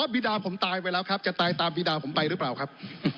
บีดาผมตายไปแล้วครับจะตายตามบีดาผมไปหรือเปล่าครับ